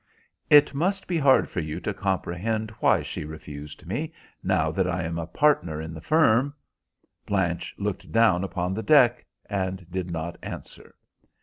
"It must be hard for you to comprehend why she refused me, now that I am a partner in the firm." Blanche looked down upon the deck, and did not answer.